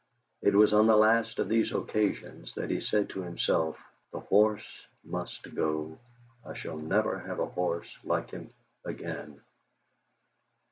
It was on the last of these occasions that he said to himself: "The horse must go. I shall never have a horse like him again."